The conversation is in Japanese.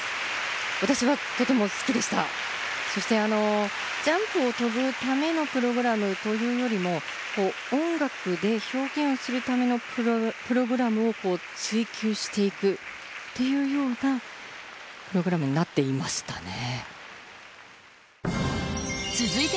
私はとても好きでしたそしてジャンプを跳ぶためのプログラムというよりも音楽で表現をするためのプログラムを追求していくっていうようなプログラムになっていましたね